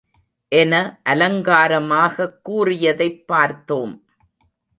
என அலங்காரமாகக் கூறியதைப் பார்த்தோம்.